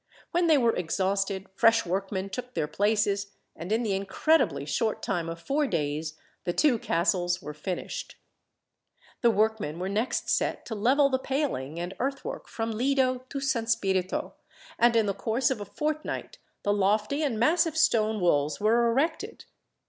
When they were exhausted, fresh workmen took their places, and in the incredibly short time of four days, the two castles were finished. The workmen were next set to level the paling and earthwork, from Lido to San Spirito, and in the course of a fortnight the lofty and massive stone walls were erected.